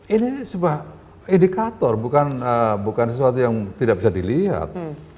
ini sebuah indikator bukan sesuatu yang tidak bisa dilihat